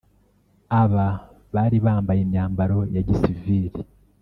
Aba bari bambaye imyambaro ya gisivili